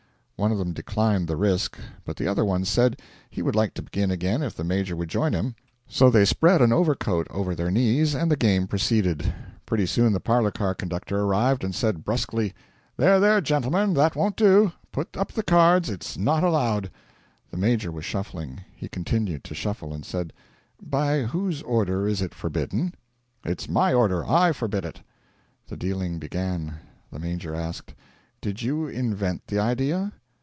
One of them declined the risk, but the other one said he would like to begin again if the Major would join him. So they spread an overcoat over their knees and the game proceeded. Pretty soon the parlour car conductor arrived, and said, brusquely: 'There, there, gentlemen, that won't do. Put up the cards it's not allowed.' The Major was shuffling. He continued to shuffle, and said: 'By whose order is it forbidden?' 'It's my order. I forbid it.' The dealing began. The Major asked: 'Did you invent the idea?'